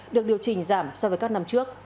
được điều trình giảm so với các năm trước